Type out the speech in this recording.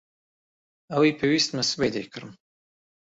ئەوەی پێویستمە سبەی دەیکڕم.